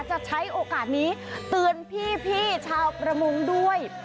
จะใช้โอกาสนี้เตือนพี่ชาวประมงด้วย